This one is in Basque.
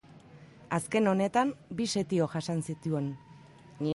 Azken honetan bi setio jasan zituen.